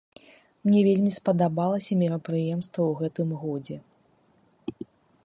Мне вельмі спадабалася мерапрыемства ў гэтым годзе.